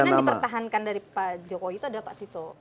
yang kemungkinan dipertahankan dari pak jokowi itu ada pak tito